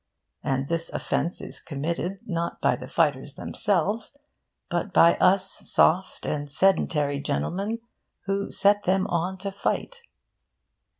And this offence is committed, not by the fighters themselves, but by us soft and sedentary gentlemen who set them on to fight.